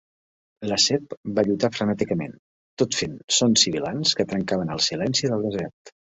La serp va lluitar frenèticament, tot fent sons sibilants que trencaven el silenci del desert.